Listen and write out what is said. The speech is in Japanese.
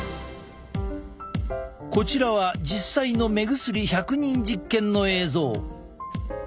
こちらは実際の目薬１００人実験の映像。